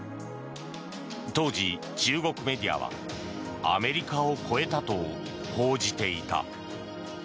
当時、中国メディアはアメリカを超えたと報じていた。